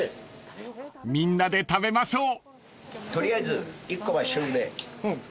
［みんなで食べましょう］